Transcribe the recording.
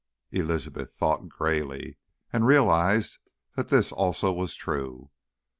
Elizabeth thought grayly, and realised that this also was true.